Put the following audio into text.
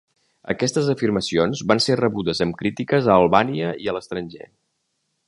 Aquestes afirmacions van ser rebudes amb crítiques a Albània i a l'estranger.